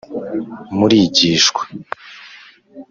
murigishwa